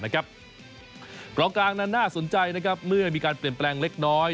กองกลางนั้นน่าสนใจเมื่อมีการเปลี่ยนแปลงเล็กน้อย